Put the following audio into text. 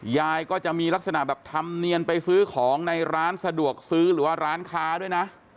ยายก็จะมีลักษณะแบบทำเนียนไปซื้อของในร้านสะดวกซื้อหรือว่าร้านค้าด้วยนะ